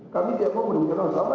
kami tidak mau berkenan sama